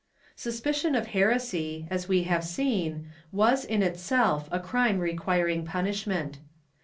Suspicion of heresy, as we have seen, was, in itself, a crime requiring punishment.